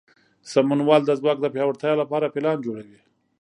سمونوال د ځواک د پیاوړتیا لپاره پلان جوړوي.